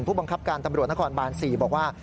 ผู้บังคับการตำรวจนครบาน๔บอกว่า